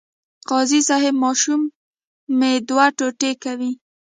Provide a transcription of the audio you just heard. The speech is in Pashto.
قاضي صیب ماشوم مه دوه ټوټې کوئ.